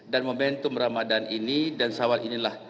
dan momentum ramadhan ini dan shawwal inilah